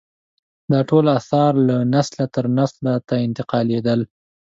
دا ټول اثار له نسله تر نسل ته انتقالېدل.